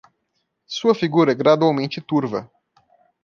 Sua figura é gradualmente turva